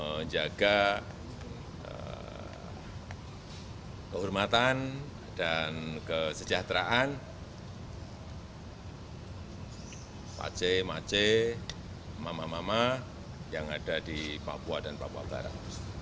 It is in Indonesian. menjaga kehormatan dan kesejahteraan aceh mace mama mama yang ada di papua dan papua barat